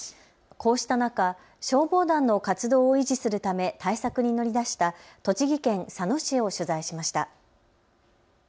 こうした中、消防団の活動を維持するため対策に乗り出した栃木県佐野市を取材しました。